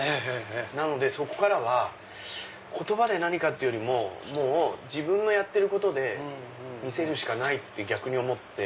なのでそこからは言葉で何かっていうよりも自分のやってることで見せるしかないって逆に思って。